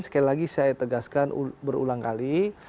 sekali lagi saya tegaskan berulang kali